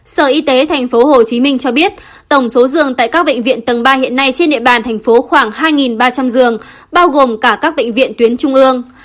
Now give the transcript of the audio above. sở y tế tp hồ chí minh cho biết tổng số dường tại các bệnh viện tầng ba hiện nay trên địa bàn tp khoảng hai ba trăm linh dường bao gồm cả các bệnh viện tuyến trung ương